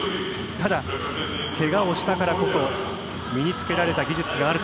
ただ、けがをしたからこそ身につけられた技術がある。